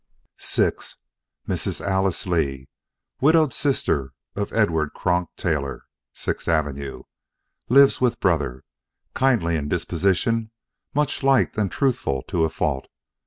VI Mrs. Alice Lee, widowed sister of Edward Cronk Tailor, Sixth Ave. Lives with brother. Kindly in disposition, much liked and truthful to a fault.